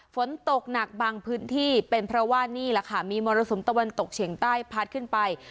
ฝนตกหนักบางพื้นที่เป็นเพราะว่านี่แหละค่ะมีมรสุมตะวันตกเฉียงใต้พัดขึ้นไป